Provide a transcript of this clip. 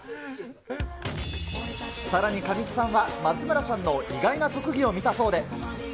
さらに神木さんは、松村さんの意外な特技を視たそうで。